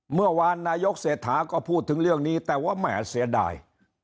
เมื่อวานนายกเศรษฐาก็พูดถึงเรื่องนี้แต่ว่าแหม่เสียดาย